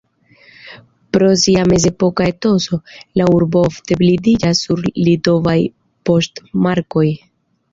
Pro sia mezepoka etoso, la urbo ofte bildiĝas sur litovaj poŝtmarkoj.